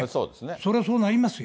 それはそうなりますよ。